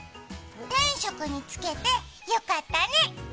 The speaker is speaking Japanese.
天職につけてよかったね。